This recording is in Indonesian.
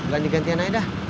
ganti gantian aja dah